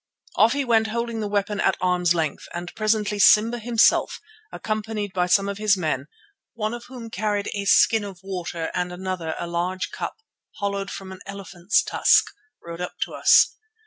Off he went holding the weapon at arm's length, and presently Simba himself, accompanied by some of his men, one of whom carried a skin of water and another a large cup hollowed from an elephant's tusk, rode up to us.